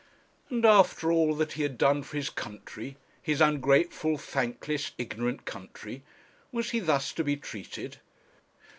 And after all that he had done for his country his ungrateful, thankless, ignorant country was he thus to be treated?